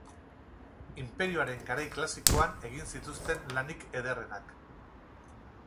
Inperioaren garai klasikoan egin zituzten lanik ederrenak.